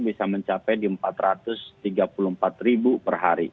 bisa mencapai di empat ratus tiga puluh empat ribu per hari